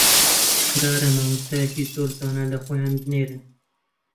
قەرارە مامۆستایەکی زۆر زانا لە خۆیان بنێرن